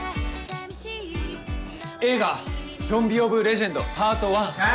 映画『ゾンビオブレジェンドＰａｒｔ１』。